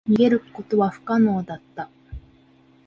逃げることは不可能だった。